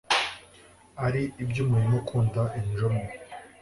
Ari ibyUmuhima ukunda injome